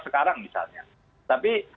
sekarang misalnya tapi